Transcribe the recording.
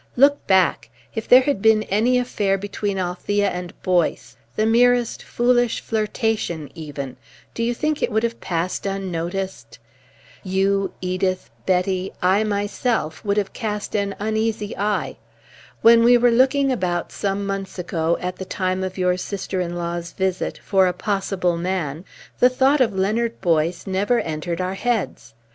Look back. If there had been any affair between Althea and Boyce, the merest foolish flirtation, even, do you think it would have passed unnoticed? You, Edith, Betty I myself would have cast an uneasy eye. When we were looking about, some months ago, at the time of your sister in law's visit, for a possible man, the thought of Leonard Boyce never entered our heads.